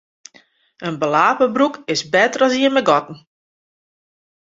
In belape broek is better as ien mei gatten.